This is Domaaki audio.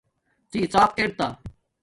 ڎی ڎاپ ار تا